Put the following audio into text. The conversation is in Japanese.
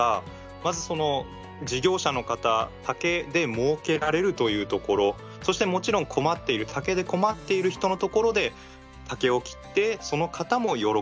まず事業者の方だけでもうけられるというところそしてもちろん竹で困っている人のところで竹を切ってその方も喜ぶと。